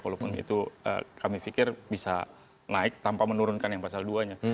walaupun itu kami pikir bisa naik tanpa menurunkan yang pasal dua nya